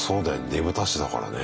ねぶた師だからね。